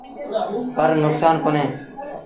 پر نڪسآݩ ڪونهي۔